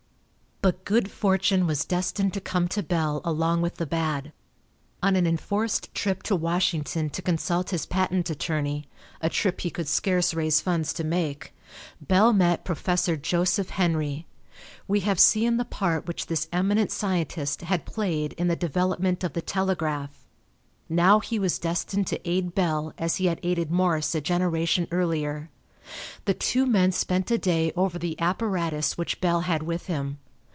But good fortune was destined to come to Bell along with the bad. On an enforced trip to Washington to consult his patent attorney a trip he could scarce raise funds to make Bell met Prof. Joseph Henry. We have seen the part which this eminent scientist had played in the development of the telegraph. Now he was destined to aid Bell, as he had aided Morse a generation earlier. The two men spent a day over the apparatus which Bell had with him.